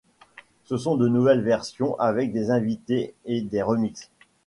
Ce sont de nouvelles versions avec des invités et des remixes.